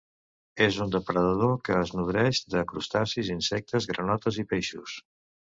És un depredador que es nodreix de crustacis, insectes, granotes i peixos.